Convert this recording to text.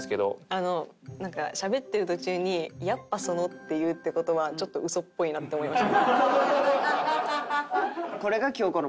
あのなんかしゃべってる途中に「やっぱその」って言うって事はちょっと嘘っぽいなって思いました。